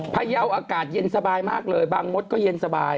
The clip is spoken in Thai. พยาวอากาศเย็นสบายมากเลยบางมดก็เย็นสบาย